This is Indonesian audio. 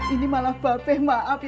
ini malah bapeh maaf ya be ya